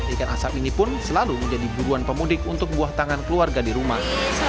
ikan asap ini pun selalu menjadi buruan pemudik untuk buah tangan keluarga di rumah